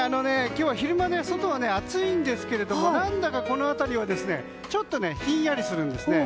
今日は昼間外は暑いんですけど何だかこの辺りはちょっとひんやりするんですね。